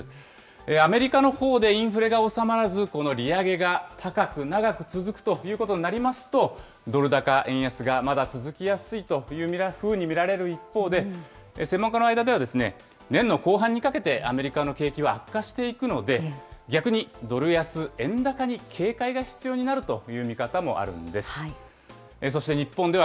アメリカのほうでインフレが収まらず、この利上げが高く、長く続くということになりますと、ドル高円安がまだ続きやすいというふうに見られる一方で、専門家の間では、年の後半にかけて、アメリカの景気は悪化していくので、逆にドル安円高に警戒が必要になるという見方もあるんです。